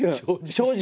正直。